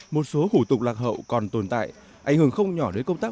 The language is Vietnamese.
một số hủ tục lạc hậu còn tồn tại ảnh hưởng không nhỏ đến công tác